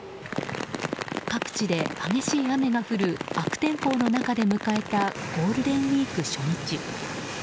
各地で激しい雨が降る悪天候の中で迎えたゴールデンウィーク初日。